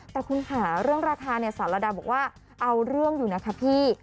แต่คุณค่าเรื่องราคาศาลล่ะดาบอกว่าเอาเรื่องอยู่นะครับพี่